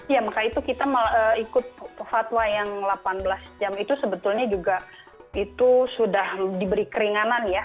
ya maka itu kita ikut fatwa yang delapan belas jam itu sebetulnya juga itu sudah diberi keringanan ya